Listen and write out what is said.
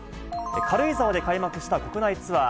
軽井沢で開幕した国内ツアー。